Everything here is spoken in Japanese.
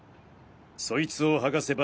そいつを剥がせば。